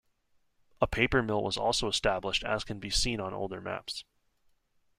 A paper mill was also established as can be seen on older maps.